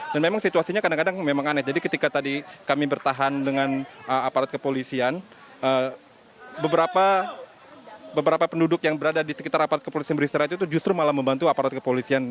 dan memang situasinya kadang kadang memang aneh jadi ketika tadi kami bertahan dengan aparat kepolisian beberapa penduduk yang berada di sekitar aparat kepolisian beristirahat itu justru malah membantu aparat kepolisian